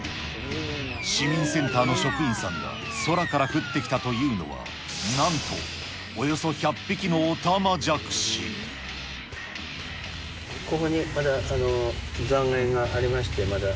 市民センターの職員さんが、空から降ってきたというのは、なんと、およそ１００匹のオタマここにまだ残骸がありまして、まだ。